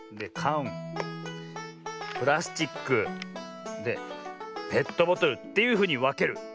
かんプラスチックペットボトルっていうふうにわける。